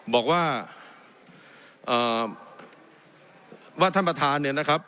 บอกว่าว่าท่านประธานเนี่ยนะครับ